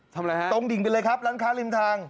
ตรงดิ่งไปเลยครับร้านค้าลิมทาง